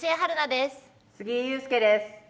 杉井勇介です。